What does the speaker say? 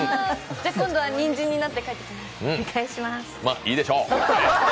今度はにんじんになって帰ってきます。